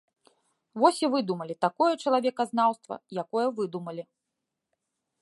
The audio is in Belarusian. Вось і выдумалі такое чалавеказнаўства, якое выдумалі.